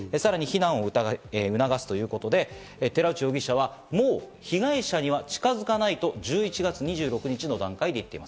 さらに避難を促すということで、寺内容疑者は、もう被害者には近づかないと１１月２６日の段階で言っています。